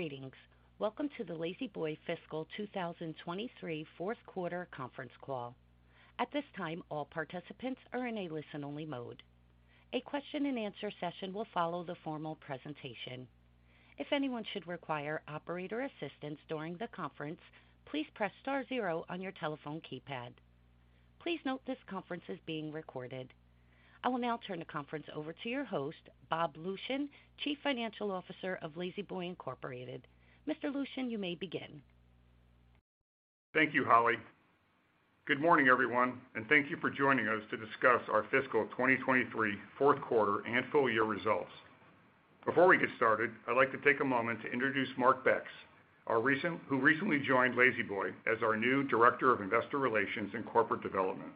Greetings. Welcome to the La-Z-Boy fiscal 2023 fourth quarter conference call. At this time, all participants are in a listen-only mode. A question-and-answer session will follow the formal presentation. If anyone should require operator assistance during the conference, please press star zero on your telephone keypad. Please note this conference is being recorded. I will now turn the conference over to your host, Bob Lucian, Chief Financial Officer of La-Z-Boy Incorporated. Mr. Lucian, you may begin. Thank you, Holly. Good morning, everyone, and thank you for joining us to discuss our fiscal 2023 fourth quarter and full year results. Before we get started, I'd like to take a moment to introduce Mark Becks, who recently joined La-Z-Boy as our new Director of Investor Relations and Corporate Development.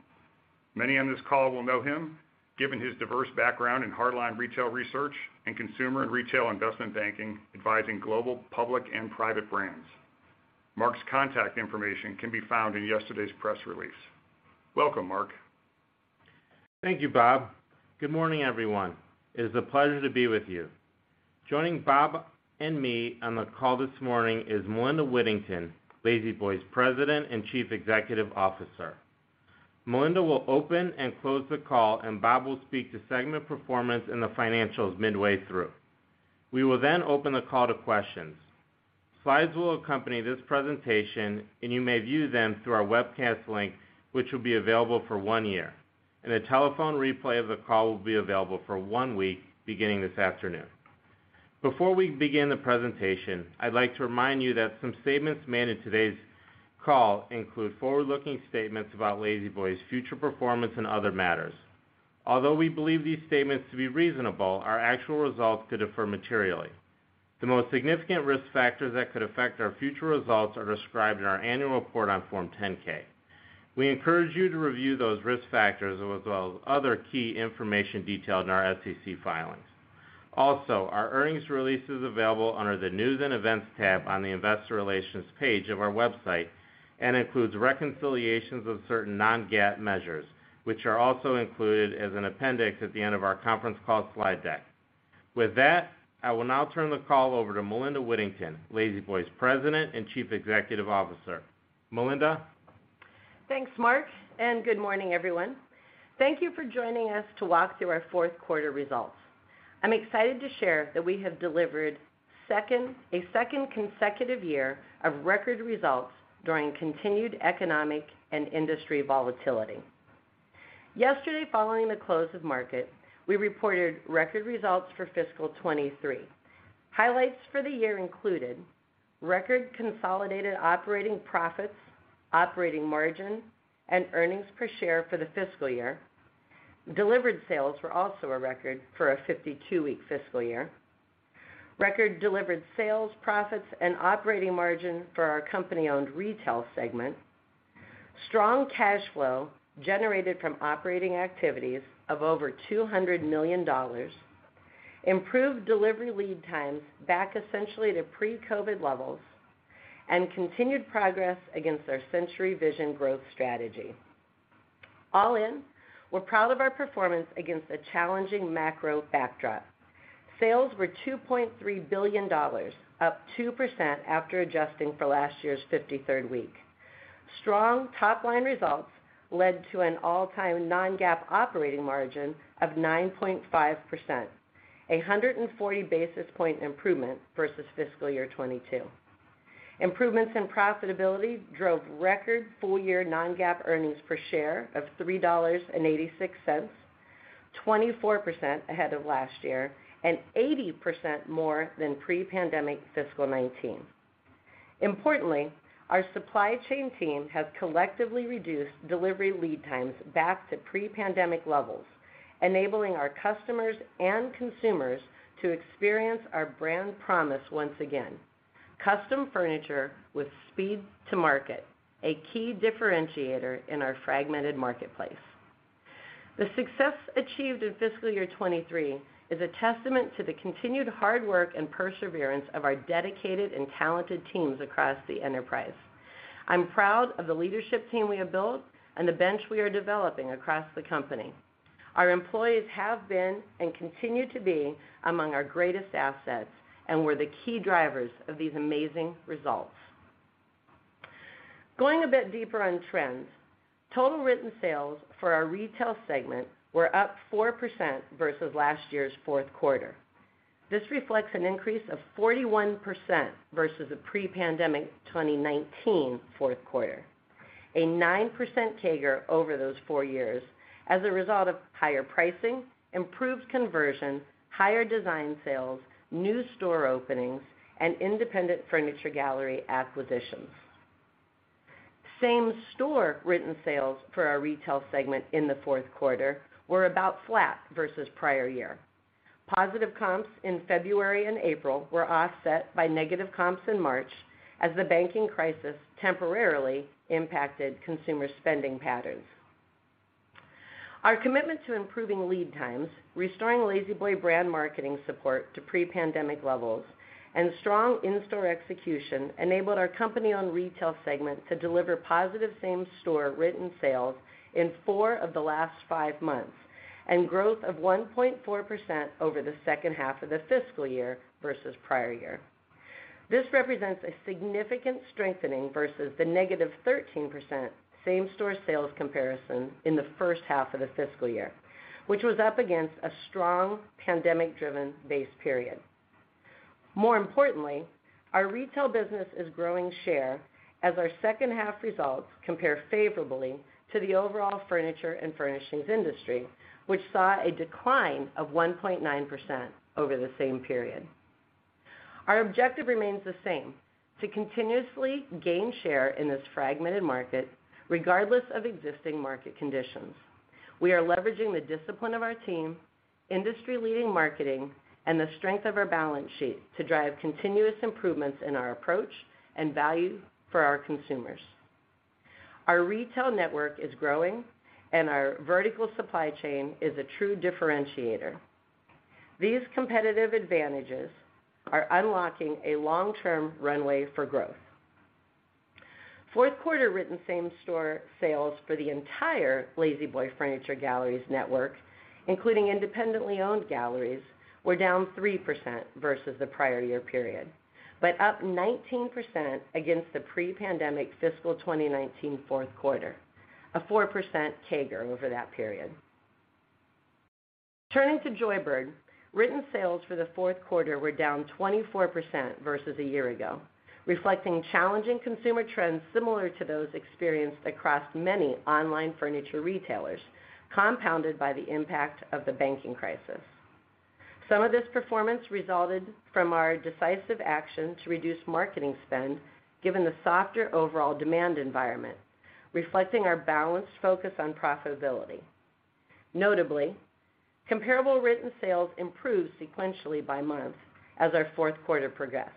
Many on this call will know him, given his diverse background in hardline retail research and consumer and retail investment banking, advising global, public, and private brands. Mark's contact information can be found in yesterday's press release. Welcome, Mark. Thank you, Bob. Good morning, everyone. It is a pleasure to be with you. Joining Bob and me on the call this morning is Melinda Whittington, La-Z-Boy's President and Chief Executive Officer. Melinda will open and close the call. Bob will speak to segment performance and the financials midway through. We will then open the call to questions. Slides will accompany this presentation, and you may view them through our webcast link, which will be available for one year, and a telephone replay of the call will be available for one week, beginning this afternoon. Before we begin the presentation, I'd like to remind you that some statements made in today's call include forward-looking statements about La-Z-Boy's future performance and other matters. Although we believe these statements to be reasonable, our actual results could differ materially. The most significant risk factors that could affect our future results are described in our annual report on Form 10-K. We encourage you to review those risk factors as well as other key information detailed in our SEC filings. Also, our earnings release is available under the News and Events tab on the Investor Relations page of our website and includes reconciliations of certain non-GAAP measures, which are also included as an appendix at the end of our conference call slide deck. With that, I will now turn the call over to Melinda Whittington, La-Z-Boy's President and Chief Executive Officer. Melinda? Thanks, Mark. Good morning, everyone. Thank you for joining us to walk through our fourth quarter results. I'm excited to share that we have delivered a second consecutive year of record results during continued economic and industry volatility. Yesterday, following the close of market, we reported record results for fiscal 2023. Highlights for the year included: record consolidated operating profits, operating margin, and earnings per share for the fiscal year. Delivered sales were also a record for a 52-week fiscal year. Record delivered sales, profits, and operating margin for our company-owned retail segment. Strong cash flow generated from operating activities of over $200 million, improved delivery lead times back essentially to pre-COVID levels, and continued progress against our Century Vision growth strategy. All in, we're proud of our performance against a challenging macro backdrop. Sales were $2.3 billion, up 2% after adjusting for last year's 53rd week. Strong top-line results led to an all-time non-GAAP operating margin of 9.5%, a 140 basis point improvement versus fiscal year 2022. Improvements in profitability drove record full-year non-GAAP earnings per share of $3.86, 24% ahead of last year and 80% more than pre-pandemic fiscal 2019. Importantly, our supply chain team has collectively reduced delivery lead times back to pre-pandemic levels, enabling our customers and consumers to experience our brand promise once again. Custom furniture with speed to market, a key differentiator in our fragmented marketplace. The success achieved in fiscal year 2023 is a testament to the continued hard work and perseverance of our dedicated and talented teams across the enterprise. I'm proud of the leadership team we have built and the bench we are developing across the company. Our employees have been, and continue to be, among our greatest assets, and were the key drivers of these amazing results. Going a bit deeper on trends, total written sales for our retail segment were up 4% versus last year's fourth quarter. This reflects an increase of 41% versus the pre-pandemic 2019 fourth quarter, a 9% CAGR over those four years as a result of higher pricing, improved conversion, higher design sales, new store openings, and independent Furniture Galleries acquisitions. Same-store written sales for our retail segment in the fourth quarter were about flat versus prior year. Positive comps in February and April were offset by negative comps in March as the banking crisis temporarily impacted consumer spending patterns. Our commitment to improving lead times, restoring La-Z-Boy brand marketing support to pre-pandemic levels, and strong in-store execution enabled our company-owned retail segment to deliver positive same-store written sales in four of the last five months, and growth of 1.4% over the second half of the fiscal year versus prior year. This represents a significant strengthening versus the negative 13% same-store sales comparison in the first half of the fiscal year, which was up against a strong pandemic-driven base period. More importantly, our retail business is growing share as our second half results compare favorably to the overall furniture and furnishings industry, which saw a decline of 1.9% over the same period. Our objective remains the same, to continuously gain share in this fragmented market, regardless of existing market conditions. We are leveraging the discipline of our team, industry-leading marketing, and the strength of our balance sheet to drive continuous improvements in our approach and value for our consumers. Our retail network is growing, and our vertical supply chain is a true differentiator. These competitive advantages are unlocking a long-term runway for growth. Fourth quarter written same-store sales for the entire La-Z-Boy Furniture Galleries network, including independently owned galleries, were down 3% versus the prior year period, but up 19% against the pre-pandemic fiscal 2019 fourth quarter, a 4% CAGR over that period. Turning to Joybird, written sales for the fourth quarter were down 24% versus a year ago, reflecting challenging consumer trends similar to those experienced across many online furniture retailers, compounded by the impact of the banking crisis. Some of this performance resulted from our decisive action to reduce marketing spend, given the softer overall demand environment, reflecting our balanced focus on profitability. Notably, comparable written sales improved sequentially by month as our fourth quarter progressed.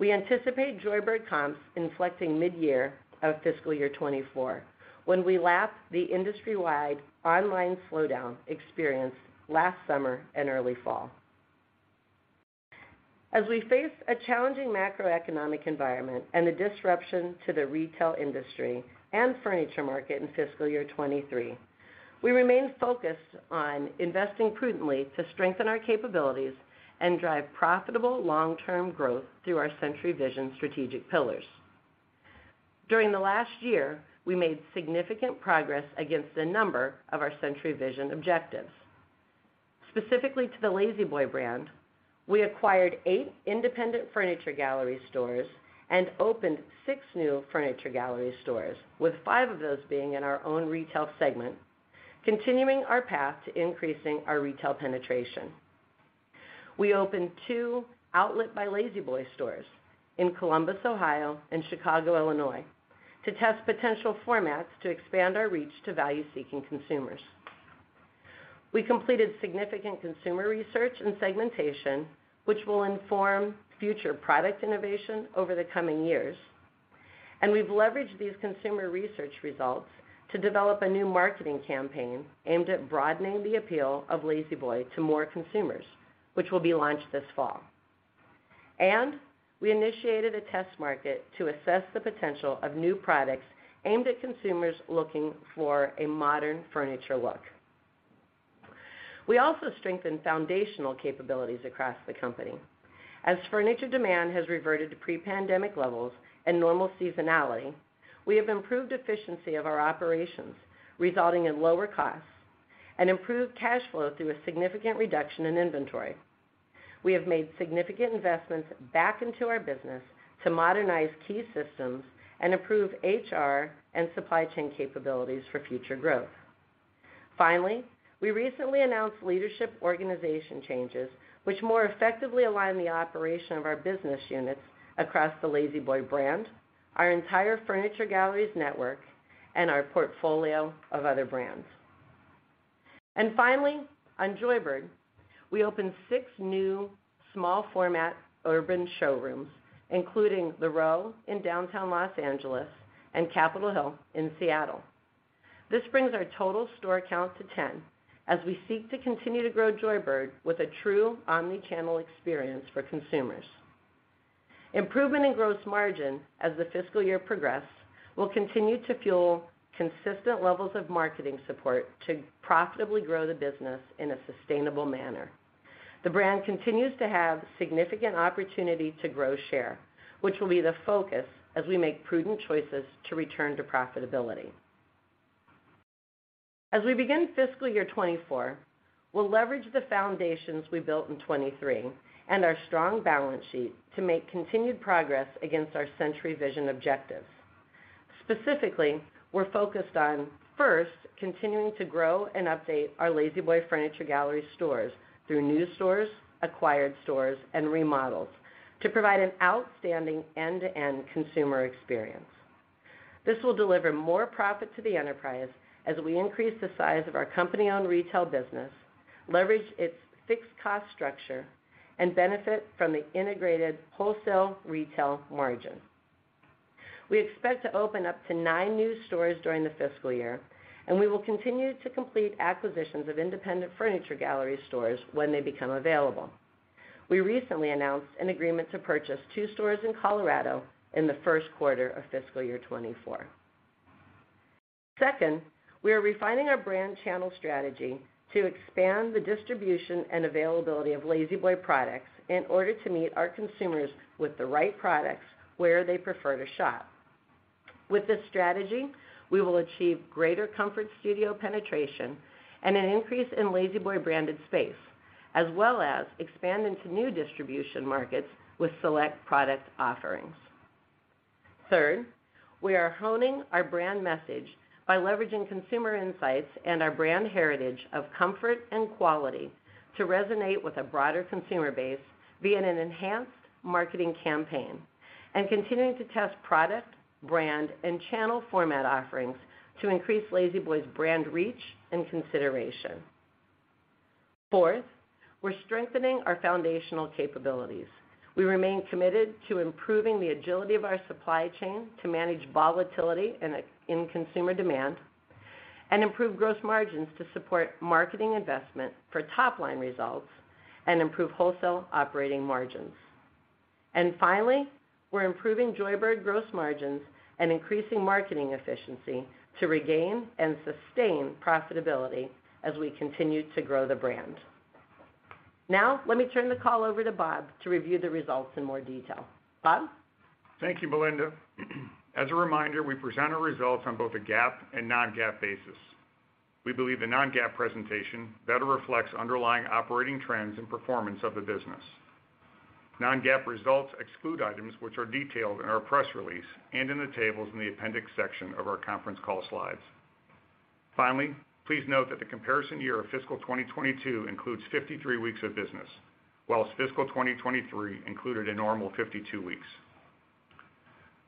We anticipate Joybird comps inflecting mid-year of fiscal year 2024, when we lap the industry-wide online slowdown experienced last summer and early fall. As we face a challenging macroeconomic environment and a disruption to the retail industry and furniture market in fiscal year 2023, we remain focused on investing prudently to strengthen our capabilities and drive profitable long-term growth through our Century Vision strategic pillars. During the last year, we made significant progress against a number of our Century Vision objectives. Specifically to the La-Z-Boy brand, we acquired eight independent Furniture Galleries stores and opened six new Furniture Galleries stores, with five of those being in our own retail segment, continuing our path to increasing our retail penetration. We opened two Outlet by La-Z-Boy stores in Columbus, Ohio, and Chicago, Illinois, to test potential formats to expand our reach to value-seeking consumers. We completed significant consumer research and segmentation, which will inform future product innovation over the coming years, and we've leveraged these consumer research results to develop a new marketing campaign aimed at broadening the appeal of La-Z-Boy to more consumers, which will be launched this fall. We initiated a test market to assess the potential of new products aimed at consumers looking for a modern furniture look. We also strengthened foundational capabilities across the company. As furniture demand has reverted to pre-pandemic levels and normal seasonality, we have improved efficiency of our operations, resulting in lower costs and improved cash flow through a significant reduction in inventory. We have made significant investments back into our business to modernize key systems and improve HR and supply chain capabilities for future growth. Finally, we recently announced leadership organization changes, which more effectively align the operation of our business units across the La-Z-Boy brand, our entire Furniture Galleries network, and our portfolio of other brands. Finally, on Joybird, we opened six new small-format urban showrooms, including The Row in downtown Los Angeles and Capitol Hill in Seattle. This brings our total store count to 10 as we seek to continue to grow Joybird with a true omni-channel experience for consumers. Improvement in gross margin as the fiscal year progressed, will continue to fuel consistent levels of marketing support to profitably grow the business in a sustainable manner. The brand continues to have significant opportunity to grow share, which will be the focus as we make prudent choices to return to profitability. As we begin fiscal year 2024, we'll leverage the foundations we built in 2023 and our strong balance sheet to make continued progress against our Century Vision objectives. Specifically, we're focused on, first, continuing to grow and update our La-Z-Boy Furniture Galleries stores through new stores, acquired stores, and remodels to provide an outstanding end-to-end consumer experience. This will deliver more profit to the enterprise as we increase the size of our company-owned retail business, leverage its fixed cost structure, and benefit from the integrated wholesale retail margin. We expect to open up to nine new stores during the fiscal year, and we will continue to complete acquisitions of independent Furniture Galleries stores when they become available. We recently announced an agreement to purchase two stores in Colorado in the first quarter of fiscal year 2024. Second, we are refining our brand channel strategy to expand the distribution and availability of La-Z-Boy products in order to meet our consumers with the right products where they prefer to shop. With this strategy, we will achieve greater Comfort Studio penetration and an increase in La-Z-Boy branded space, as well as expand into new distribution markets with select product offerings. We are honing our brand message by leveraging consumer insights and our brand heritage of comfort and quality to resonate with a broader consumer base via an enhanced marketing campaign, and continuing to test product, brand, and channel format offerings to increase La-Z-Boy's brand reach and consideration. We're strengthening our foundational capabilities. We remain committed to improving the agility of our supply chain to manage volatility in consumer demand, and improve gross margins to support marketing investment for top-line results and improve wholesale operating margins. We're improving Joybird's gross margins and increasing marketing efficiency to regain and sustain profitability as we continue to grow the brand. Let me turn the call over to Bob to review the results in more detail. Bob? Thank you, Melinda. As a reminder, we present our results on both a GAAP and non-GAAP basis. We believe the non-GAAP presentation better reflects underlying operating trends and performance of the business. Non-GAAP results exclude items which are detailed in our press release and in the tables in the appendix section of our conference call slides. Finally, please note that the comparison year of fiscal 2022 includes 53 weeks of business, whilst fiscal 2023 included a normal 52 weeks.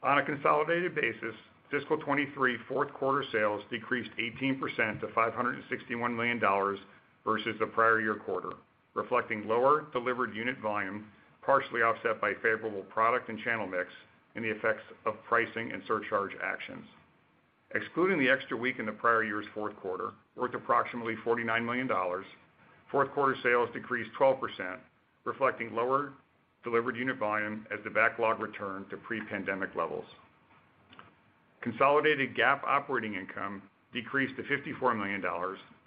On a consolidated basis, fiscal 2023 fourth quarter sales decreased 18% to $561 million versus the prior year quarter, reflecting lower delivered unit volume, partially offset by favorable product and channel mix, and the effects of pricing and surcharge actions. Excluding the extra week in the prior year's fourth quarter, worth approximately $49 million, fourth quarter sales decreased 12%, reflecting lower delivered unit volume as the backlog returned to pre-pandemic levels. Consolidated GAAP operating income decreased to $54 million,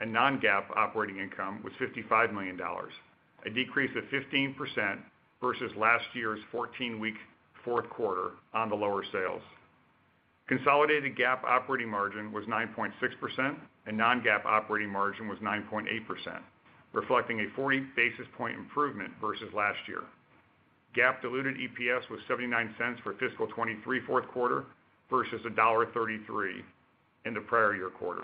and non-GAAP operating income was $55 million, a decrease of 15% versus last year's 14-week fourth quarter on the lower sales. Consolidated GAAP operating margin was 9.6%, and non-GAAP operating margin was 9.8%, reflecting a 40 basis point improvement versus last year. GAAP diluted EPS was $0.79 for fiscal 23 fourth quarter versus $1.33 in the prior year quarter.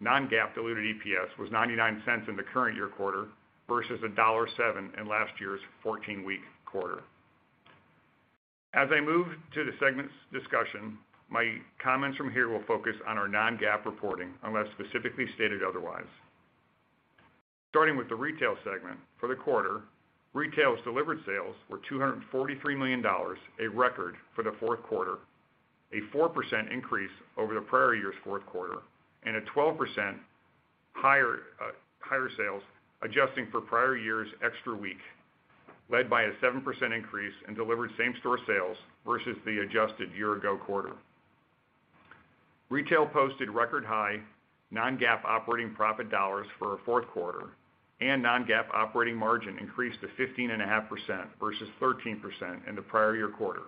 Non-GAAP diluted EPS was $0.99 in the current year quarter versus $1.07 in last year's 14-week quarter. As I move to the segments discussion, my comments from here will focus on our non-GAAP reporting, unless specifically stated otherwise. Starting with the retail segment, for the quarter, retail's delivered sales were $243 million, a record for the fourth quarter, a 4% increase over the prior year's fourth quarter, and a 12% higher sales, adjusting for prior year's extra week, led by a 7% increase in delivered same-store sales versus the adjusted year-ago quarter. Retail posted record high non-GAAP operating profit dollars for our fourth quarter, and non-GAAP operating margin increased to 15.5% versus 13% in the prior year quarter,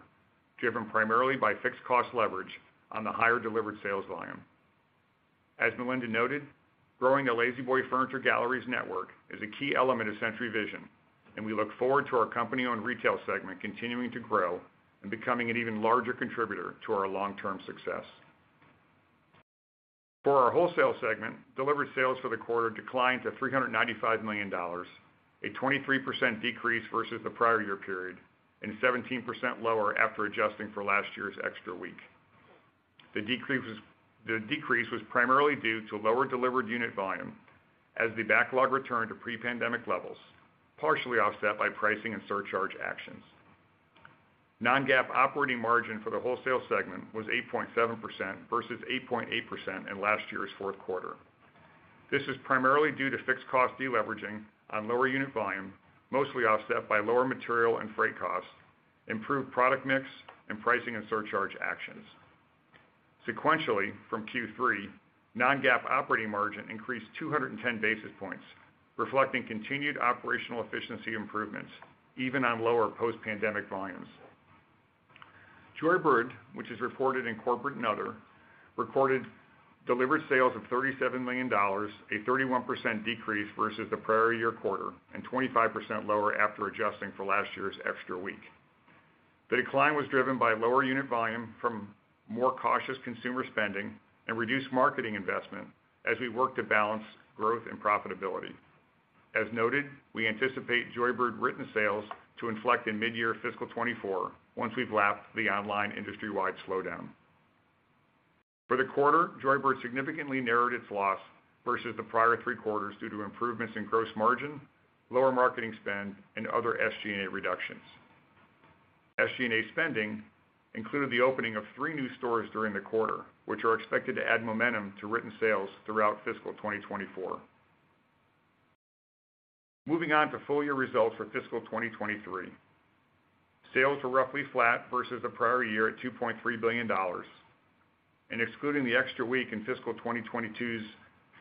driven primarily by fixed cost leverage on the higher delivered sales volume. As Melinda noted, growing the La-Z-Boy Furniture Galleries network is a key element of Century Vision. We look forward to our company-owned retail segment continuing to grow and becoming an even larger contributor to our long-term success. For our wholesale segment, delivered sales for the quarter declined to $395 million, a 23% decrease versus the prior year period, 17% lower after adjusting for last year's extra week. The decrease was primarily due to lower delivered unit volume as the backlog returned to pre-pandemic levels, partially offset by pricing and surcharge actions. Non-GAAP operating margin for the wholesale segment was 8.7% versus 8.8% in last year's fourth quarter. This is primarily due to fixed cost deleveraging on lower unit volume, mostly offset by lower material and freight costs, improved product mix, and pricing and surcharge actions. Sequentially, from Q3, non-GAAP operating margin increased 210 basis points, reflecting continued operational efficiency improvements, even on lower post-pandemic volumes. Joybird, which is reported in corporate and other, recorded delivered sales of $37 million, a 31% decrease versus the prior year quarter, and 25% lower after adjusting for last year's extra week. The decline was driven by lower unit volume from more cautious consumer spending and reduced marketing investment as we worked to balance growth and profitability. As noted, we anticipate Joybird written sales to inflect in mid-year fiscal 2024, once we've lapped the online industry-wide slowdown. For the quarter, Joybird significantly narrowed its loss versus the prior three quarters due to improvements in gross margin, lower marketing spend, and other SG&A reductions. SG&A spending included the opening of three new stores during the quarter, which are expected to add momentum to written sales throughout fiscal 2024. Moving on to full year results for fiscal 2023. Sales were roughly flat versus the prior year at $2.3 billion, and excluding the extra week in fiscal 2022's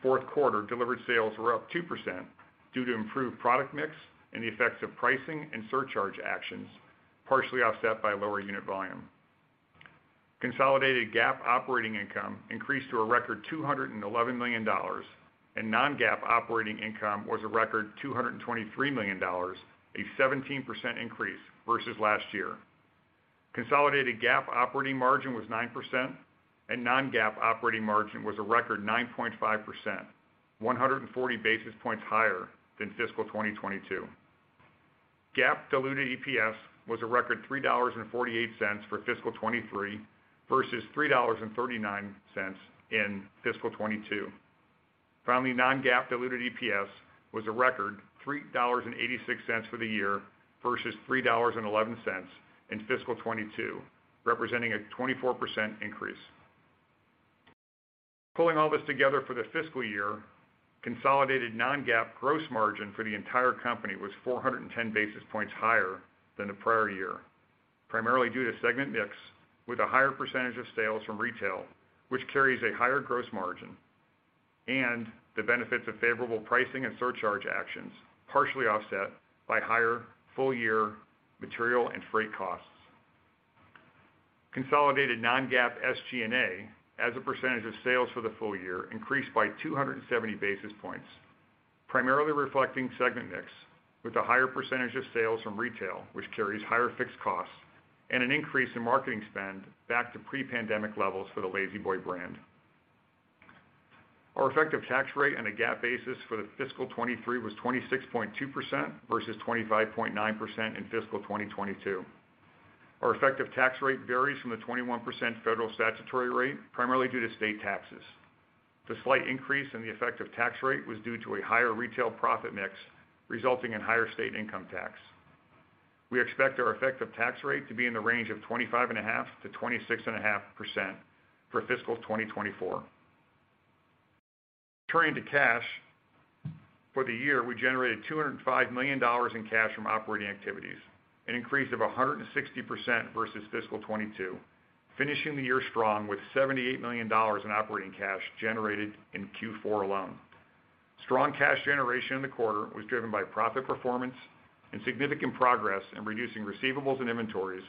fourth quarter, delivered sales were up 2% due to improved product mix and the effects of pricing and surcharge actions, partially offset by lower unit volume. Consolidated GAAP operating income increased to a record $211 million, and non-GAAP operating income was a record $223 million, a 17% increase versus last year. Consolidated GAAP operating margin was 9%, non-GAAP operating margin was a record 9.5%, 140 basis points higher than fiscal 2022. GAAP diluted EPS was a record $3.48 for fiscal 2023 versus $3.39 in fiscal 2022. Non-GAAP diluted EPS was a record $3.86 for the year, versus $3.11 in fiscal 2022, representing a 24% increase. Pulling all this together for the fiscal year, consolidated non-GAAP gross margin for the entire company was 410 basis points higher than the prior year, primarily due to segment mix, with a higher percentage of sales from retail, which carries a higher gross margin, and the benefits of favorable pricing and surcharge actions, partially offset by higher full-year material and freight costs. Consolidated non-GAAP SG&A, as a percentage of sales for the full year, increased by 270 basis points, primarily reflecting segment mix with a higher percentage of sales from retail, which carries higher fixed costs and an increase in marketing spend back to pre-pandemic levels for the La-Z-Boy brand. Our effective tax rate on a GAAP basis for fiscal 2023 was 26.2% versus 25.9% in fiscal 2022. Our effective tax rate varies from the 21% federal statutory rate, primarily due to state taxes. The slight increase in the effective tax rate was due to a higher retail profit mix, resulting in higher state income tax. We expect our effective tax rate to be in the range of 25.5%-26.5% for fiscal 2024. Turning to cash, for the year, we generated $205 million in cash from operating activities, an increase of 160% versus fiscal 2022, finishing the year strong with $78 million in operating cash generated in Q4 alone. Strong cash generation in the quarter was driven by profit performance and significant progress in reducing receivables and inventories,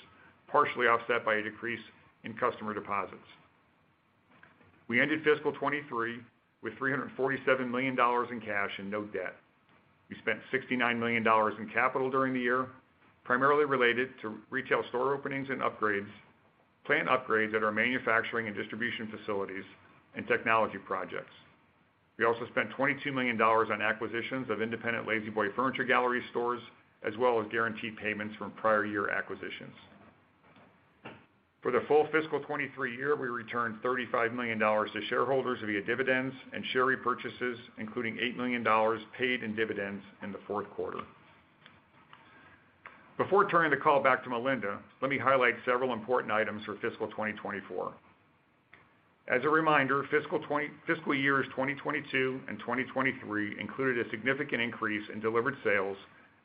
partially offset by a decrease in customer deposits. We ended fiscal 2023 with $347 million in cash and no debt. We spent $69 million in capital during the year, primarily related to retail store openings and upgrades, planned upgrades at our manufacturing and distribution facilities, and technology projects. We also spent $22 million on acquisitions of independent La-Z-Boy Furniture Galleries stores, as well as guaranteed payments from prior year acquisitions. For the full fiscal 2023 year, we returned $35 million to shareholders via dividends and share repurchases, including $8 million paid in dividends in the fourth quarter. Before turning the call back to Melinda, let me highlight several important items for fiscal 2024. As a reminder, fiscal years 2022 and 2023 included a significant increase in delivered sales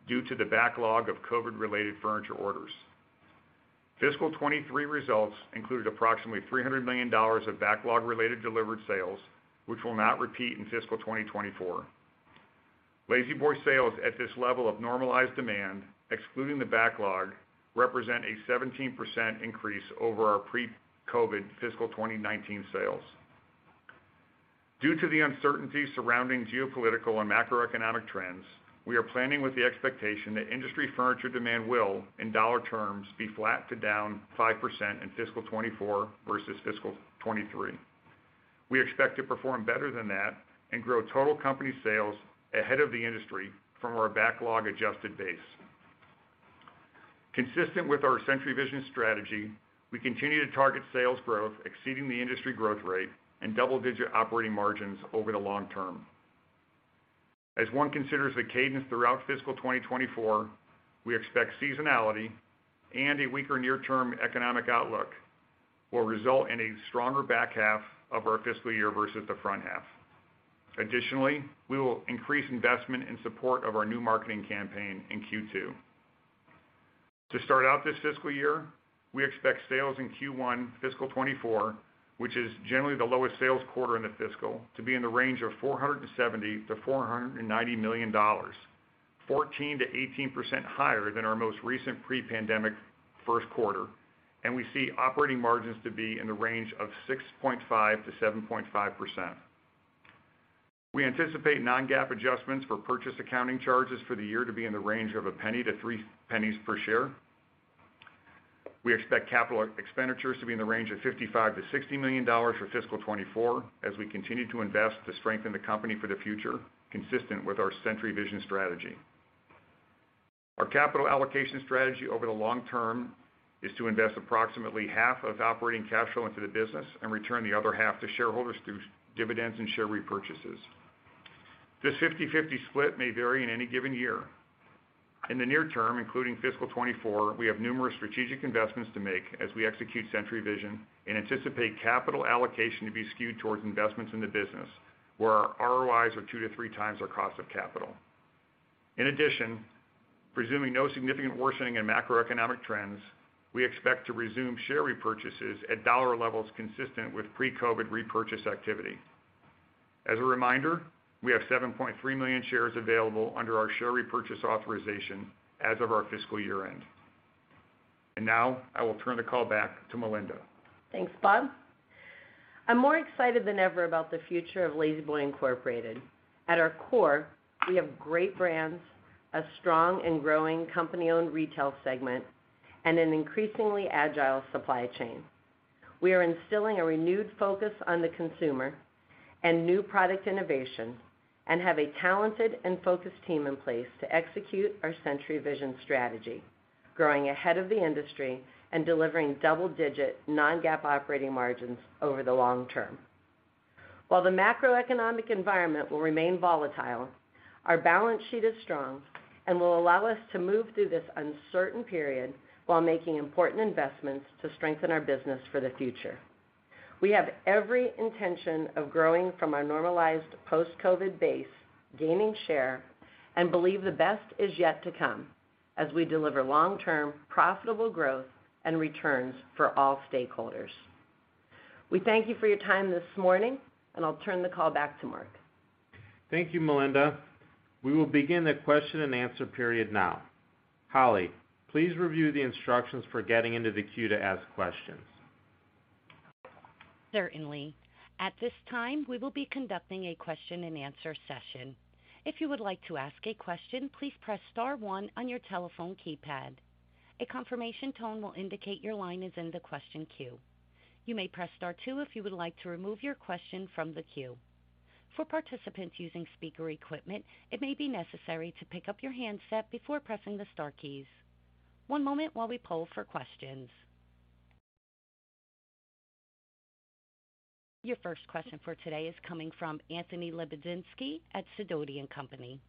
due to the backlog of COVID-related furniture orders. Fiscal 2023 results included approximately $300 million of backlog-related delivered sales, which will not repeat in fiscal 2024. La-Z-Boy sales at this level of normalized demand, excluding the backlog, represent a 17% increase over our pre-COVID fiscal 2019 sales. Due to the uncertainty surrounding geopolitical and macroeconomic trends, we are planning with the expectation that industry furniture demand will, in dollar terms, be flat to down 5% in fiscal 2024 versus fiscal 2023. We expect to perform better than that and grow total company sales ahead of the industry from our backlog-adjusted base. Consistent with our Century Vision strategy, we continue to target sales growth exceeding the industry growth rate and double-digit operating margins over the long term. As one considers the cadence throughout fiscal 2024, we expect seasonality and a weaker near-term economic outlook will result in a stronger back half of our fiscal year versus the front half. Additionally, we will increase investment in support of our new marketing campaign in Q2. To start out this fiscal year, we expect sales in Q1 fiscal 2024, which is generally the lowest sales quarter in the fiscal, to be in the range of $470 million-$490 million, 14%-18% higher than our most recent pre-pandemic first quarter, and we see operating margins to be in the range of 6.5%-7.5%. We anticipate non-GAAP adjustments for purchase accounting charges for the year to be in the range of $0.01-$0.03 per share. We expect capital expenditures to be in the range of $55 million-$60 million for fiscal 2024, as we continue to invest to strengthen the company for the future, consistent with our Century Vision strategy. Our capital allocation strategy over the long term is to invest approximately half of operating cash flow into the business and return the other half to shareholders through dividends and share repurchases. This 50/50 split may vary in any given year. In the near term, including fiscal 2024, we have numerous strategic investments to make as we execute Century Vision and anticipate capital allocation to be skewed towards investments in the business, where our ROIs are 2x- 3x our cost of capital. In addition, presuming no significant worsening in macroeconomic trends, we expect to resume share repurchases at dollar levels consistent with pre-COVID repurchase activity. As a reminder, we have 7.3 million shares available under our share repurchase authorization as of our fiscal year-end. Now, I will turn the call back to Melinda. Thanks, Bob. I'm more excited than ever about the future of La-Z-Boy Incorporated. At our core, we have great brands, a strong and growing company-owned retail segment, and an increasingly agile supply chain. We are instilling a renewed focus on the consumer and new product innovation, and have a talented and focused team in place to execute our Century Vision strategy, growing ahead of the industry and delivering double-digit non-GAAP operating margins over the long term. While the macroeconomic environment will remain volatile, our balance sheet is strong and will allow us to move through this uncertain period while making important investments to strengthen our business for the future. We have every intention of growing from our normalized post-COVID base, gaining share, and believe the best is yet to come as we deliver long-term, profitable growth and returns for all stakeholders. We thank you for your time this morning, and I'll turn the call back to Mark. Thank you, Melinda. We will begin the question-and-answer period now. Holly, please review the instructions for getting into the queue to ask questions. Certainly. At this time, we will be conducting a question-and-answer session. If you would like to ask a question, please press star one on your telephone keypad. A confirmation tone will indicate your line is in the question queue. You may press star two if you would like to remove your question from the queue. For participants using speaker equipment, it may be necessary to pick up your handset before pressing the star keys. One moment while we poll for questions. Your first question for today is coming from Anthony Lebiedzinski at Sidoti & Company.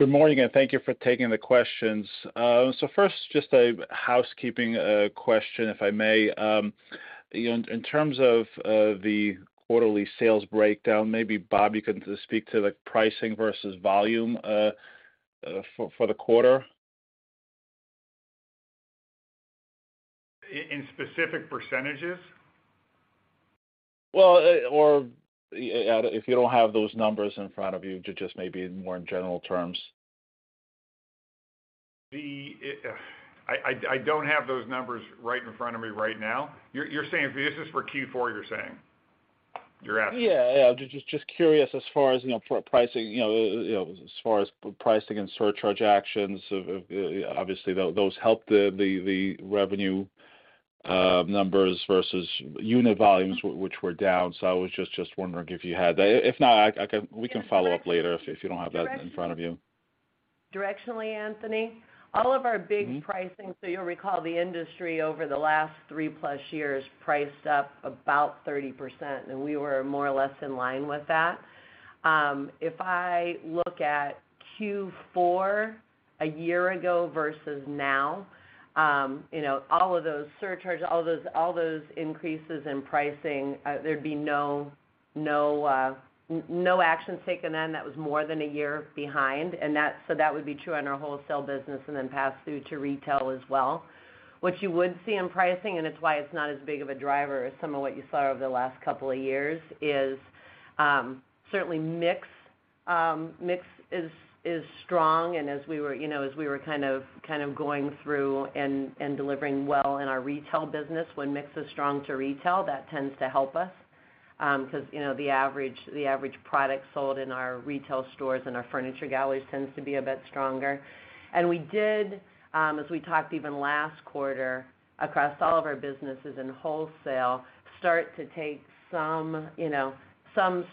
Good morning, thank you for taking the questions. First, just a housekeeping question, if I may. You know, in terms of the quarterly sales breakdown, maybe, Bob, you can speak to the pricing versus volume for the quarter? In specific percentages? If you don't have those numbers in front of you, just maybe in more general terms. I don't have those numbers right in front of me right now. You're saying, this is for Q4, you're saying? You're asking. Yeah. Just curious, as far as, you know, as far as pricing and surcharge actions. obviously, those help the revenue numbers versus unit volumes, which were down. I was just wondering if you had that. If not, we can follow up later if you don't have that in front of you. Directionally, Anthony, all of our big- Mm-hmm. pricing. You'll recall the industry over the last 3+ years, priced up about 30%. We were more or less in line with that. If I look at Q4 a year ago versus now, you know, all of those surcharges, all those increases in pricing, there'd be no actions taken then. That was more than a year behind. That would be true on our wholesale business and then pass through to retail as well. What you would see in pricing. It's why it's not as big of a driver as some of what you saw over the last couple of years, is certainly mix. As we were, you know, as we were kind of going through and delivering well in our retail business, when mix is strong to retail, that tends to help us. Because, you know, the average product sold in our retail stores and our Furniture Galleries tends to be a bit stronger. We did, as we talked even last quarter, across all of our businesses in wholesale, start to take some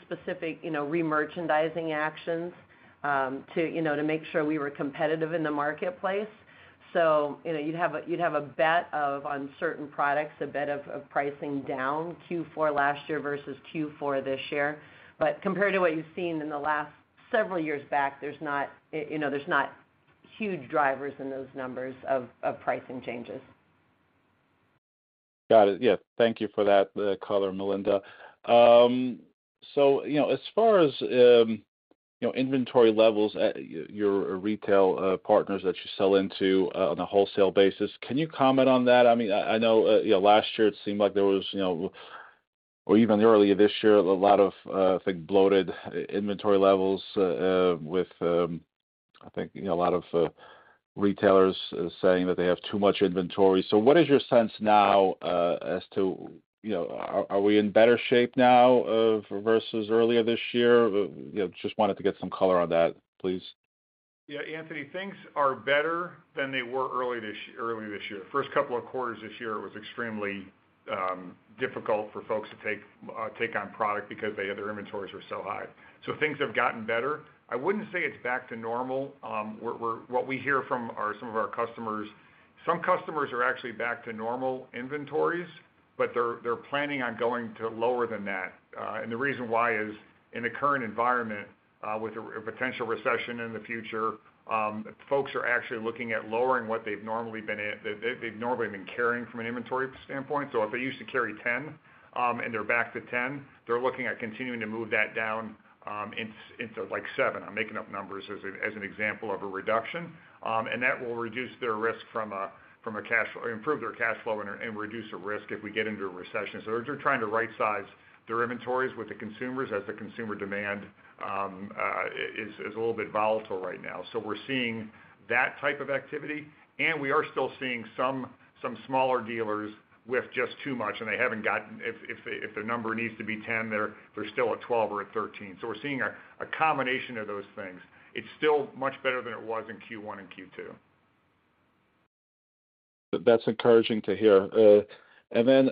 specific remerchandising actions, to, you know, to make sure we were competitive in the marketplace. You know, you'd have a bet of on certain products, a bet of pricing down Q4 last year versus Q4 this year. Compared to what you've seen in the last several years back, there's not, you know, there's not huge drivers in those numbers of pricing changes. Got it. Yeah, thank you for that color, Melinda. You know, as far as, you know, inventory levels at your retail partners that you sell into, on a wholesale basis, can you comment on that? I mean, I know, you know, last year it seemed like there was, you know, or even earlier this year, a lot of, I think, bloated inventory levels, with, I think, you know, a lot of retailers saying that they have too much inventory. What is your sense now, as to, you know, are we in better shape now, versus earlier this year? You know, just wanted to get some color on that, please.... Yeah, Anthony, things are better than they were early this year. First couple of quarters this year, it was extremely difficult for folks to take on product because their inventories were so high. So things have gotten better. I wouldn't say it's back to normal. We're what we hear from our, some of our customers, some customers are actually back to normal inventories, but they're planning on going to lower than that. And the reason why is, in the current environment, with a potential recession in the future, folks are actually looking at lowering what they've normally been at, they've normally been carrying from an inventory standpoint. So if they used to carry 10, and they're back to 10, they're looking at continuing to move that down, into, like, 7. I'm making up numbers as an example of a reduction. That will reduce their risk, improve their cash flow and reduce the risk if we get into a recession. They're trying to rightsize their inventories with the consumers as the consumer demand is a little bit volatile right now. We're seeing that type of activity, and we are still seeing some smaller dealers with just too much, and they haven't gotten. If their number needs to be 10, they're still at 12 or at 13. We're seeing a combination of those things. It's still much better than it was in Q1 and Q2. That's encouraging to hear. You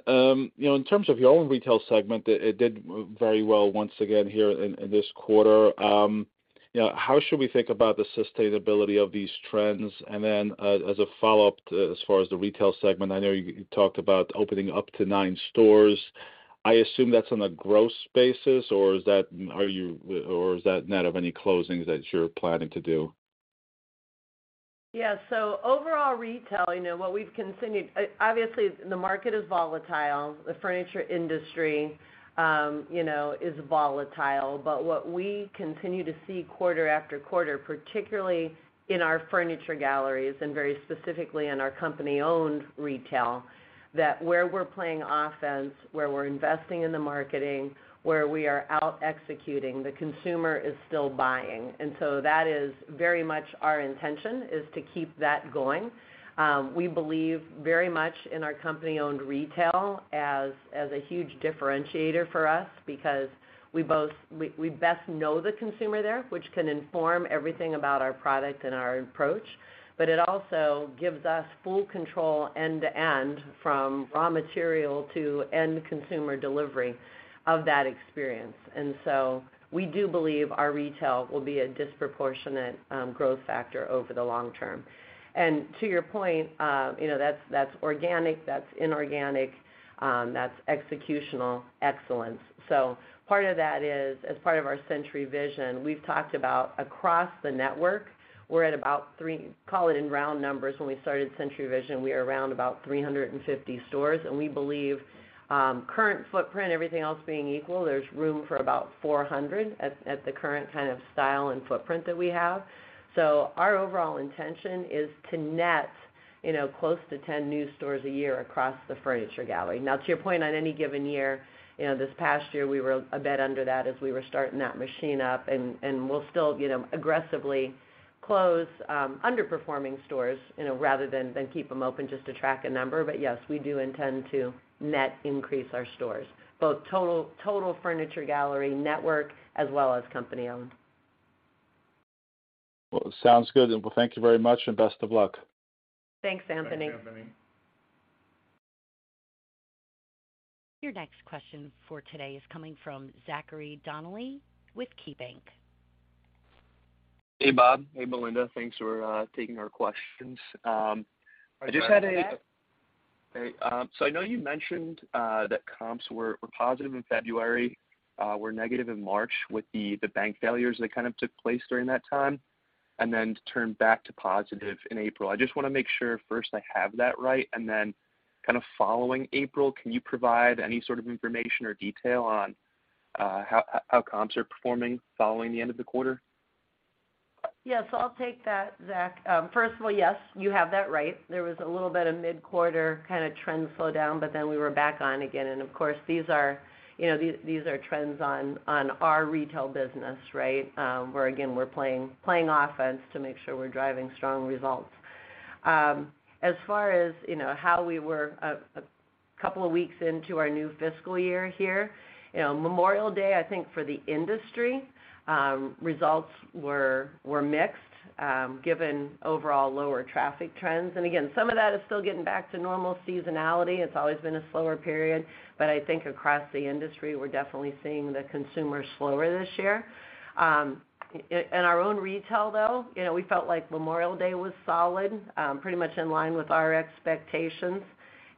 know, in terms of your own retail segment, it did very well once again here in this quarter. You know, how should we think about the sustainability of these trends? As a follow-up, as far as the retail segment, I know you talked about opening up to 9 stores. I assume that's on a gross basis, or is that net of any closings that you're planning to do? Yeah, overall retail, you know, obviously, the market is volatile. The furniture industry, you know, is volatile. What we continue to see quarter after quarter, particularly in our Furniture Galleries and very specifically in our company-owned retail, that where we're playing offense, where we're investing in the marketing, where we are out-executing, the consumer is still buying. That is very much our intention, is to keep that going. We believe very much in our company-owned retail as a huge differentiator for us because we best know the consumer there, which can inform everything about our product and our approach, but it also gives us full control end-to-end from raw material to end consumer delivery of that experience. We do believe our retail will be a disproportionate growth factor over the long term. To your point, you know, that's organic, that's inorganic, that's executional excellence. Part of that is, as part of our Century Vision, we've talked about across the network, we're at about three... Call it in round numbers when we started Century Vision, we were around about 350 stores, and we believe, current footprint, everything else being equal, there's room for about 400 at the current kind of style and footprint that we have. Our overall intention is to net, you know, close to 10 new stores a year across the furniture gallery. To your point, on any given year, you know, this past year, we were a bit under that as we were starting that machine up, and we'll still, you know, aggressively close underperforming stores, you know, rather than keep them open just to track a number. Yes, we do intend to net increase our stores, both total Furniture Galleries network as well as company-owned. Well, sounds good. Well, thank you very much, and best of luck. Thanks, Anthony. Thanks, Anthony. Your next question for today is coming from Zachary Donnelly with KeyBank. Hey, Bob. Hey, Melinda. Thanks for taking our questions. I just had Hi, Zach. Hey, I know you mentioned that comps were positive in February, were negative in March with the bank failures that kind of took place during that time, and then turned back to positive in April. I just wanna make sure first I have that right, and then kind of following April, can you provide any sort of information or detail on how comps are performing following the end of the quarter? I'll take that, Zach. First of all, yes, you have that right. There was a little bit of mid-quarter kind of trend slowdown, but then we were back on again. Of course, these are, you know, these are trends on our retail business, right? Where again, we're playing offense to make sure we're driving strong results. As far as, you know, how we were a couple of weeks into our new fiscal year here, you know, Memorial Day, I think for the industry, results were mixed, given overall lower traffic trends. Again, some of that is still getting back to normal seasonality. It's always been a slower period, but I think across the industry, we're definitely seeing the consumer slower this year. In our own retail, though, you know, we felt like Memorial Day was solid, pretty much in line with our expectations.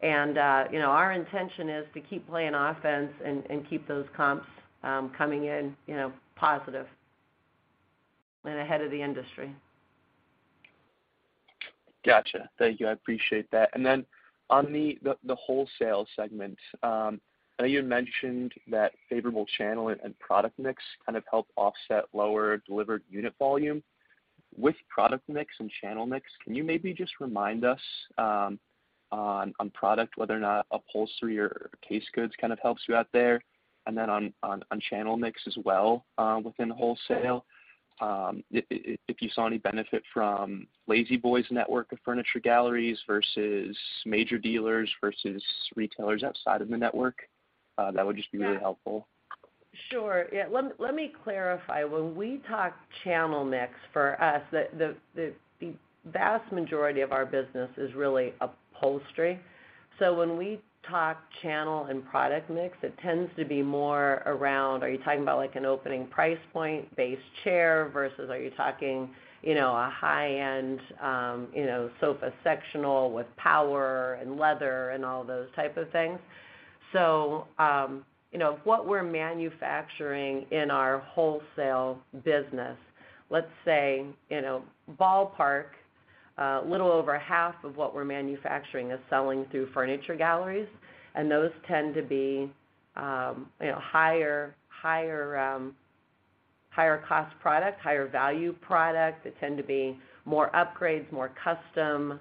You know, our intention is to keep playing offense and keep those comps coming in, you know, positive and ahead of the industry. Gotcha. Thank you. I appreciate that. On the wholesale segment, I know you had mentioned that favorable channel and product mix kind of helped offset lower delivered unit volume. With product mix and channel mix, can you maybe just remind us on product, whether or not upholstery or case goods kind of helps you out there? On channel mix as well, within the wholesale, if you saw any benefit from La-Z-Boy's network of Furniture Galleries versus major dealers versus retailers outside of the network, that would just be really helpful. Sure. Yeah, let me clarify. When we talk channel mix, for us, the vast majority of our business is really upholstery. When we talk channel and product mix, it tends to be more around, are you talking about, like, an opening price point, base chair, versus are you talking, you know, a high end, you know, sofa sectional with power and leather and all those type of things? You know, what we're manufacturing in our wholesale business, let's say, you know, ballpark, little over half of what we're manufacturing is selling through Furniture Galleries, and those tend to be, you know, higher cost product, higher value product. They tend to be more upgrades, more custom,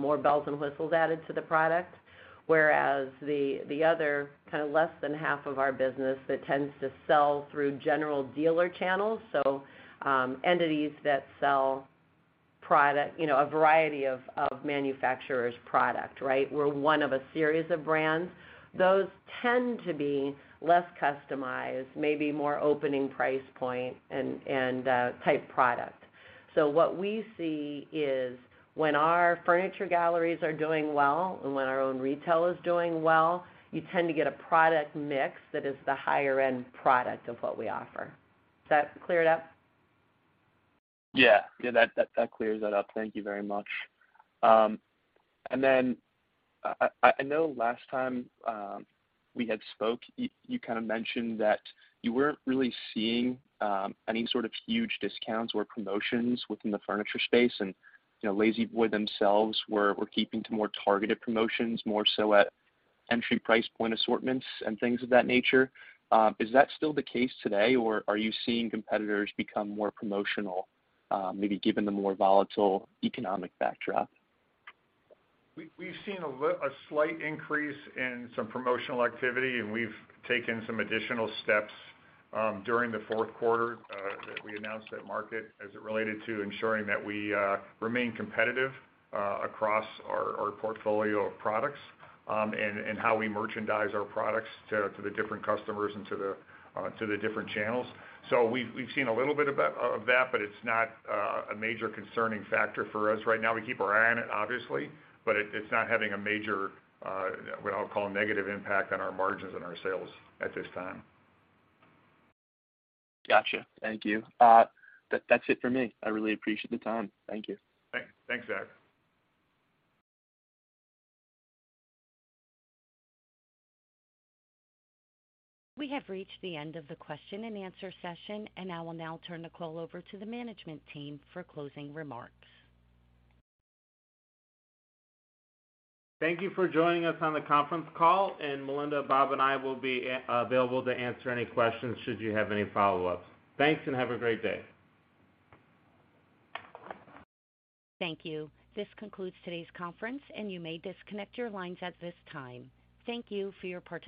more bells and whistles added to the product. Whereas the other kind of less than half of our business that tends to sell through general dealer channels, so, entities that sell product, you know, a variety of manufacturers' product, right? We're one of a series of brands. Those tend to be less customized, maybe more opening price point and type product. What we see is when our Furniture Galleries are doing well, and when our own retail is doing well, you tend to get a product mix that is the higher end product of what we offer. Does that clear it up? Yeah. That clears that up. Thank you very much. I know last time we had spoke, you kind of mentioned that you weren't really seeing any sort of huge discounts or promotions within the furniture space, and, you know, La-Z-Boy themselves were keeping to more targeted promotions, more so at entry price point assortments and things of that nature. Is that still the case today, or are you seeing competitors become more promotional, maybe given the more volatile economic backdrop? We've seen a slight increase in some promotional activity, and we've taken some additional steps during the fourth quarter that we announced at market, as it related to ensuring that we remain competitive across our portfolio of products, and how we merchandise our products to the different customers and to the different channels. We've seen a little bit of that, but it's not a major concerning factor for us right now. We keep our eye on it, obviously, but it's not having a major what I'll call a negative impact on our margins and our sales at this time. Gotcha. Thank you. That's it for me. I really appreciate the time. Thank you. Thanks, Zach. We have reached the end of the question and answer session. I will now turn the call over to the management team for closing remarks. Thank you for joining us on the conference call, and Melinda, Bob, and I will be available to answer any questions, should you have any follow-ups. Thanks, and have a great day. Thank you. This concludes today's conference. You may disconnect your lines at this time. Thank you for your participation.